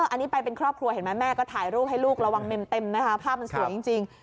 อันนี้ไปเป็นครอบครัวเห็นไหมแม่ก็ถ่ายรูปให้ลูกระวังเมมเต็มนะคะภาพมันสวยจริง